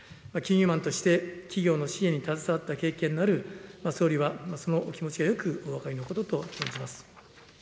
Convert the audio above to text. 金融マンとして企業の支援に携わった経験のある総理はそのお気持ちがよくお分かりのことと存じます。